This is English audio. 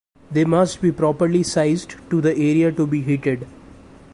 They must be properly sized to the area to be heated.